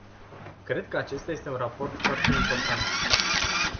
Cred că acesta este un raport foarte important.